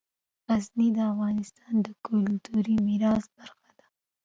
غزني د افغانستان د کلتوري میراث برخه ده.